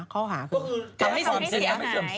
คือการทำไม่เสี่ย